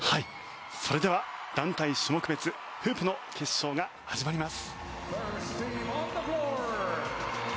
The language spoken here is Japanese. それでは団体種目別フープの決勝が始まります。